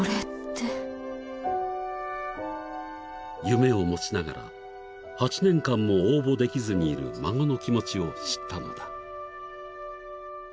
［夢を持ちながら８年間も応募できずにいる孫の気持ちを知ったのだ］